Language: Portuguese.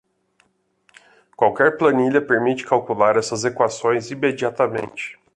Qualquer planilha permite calcular essas equações imediatamente.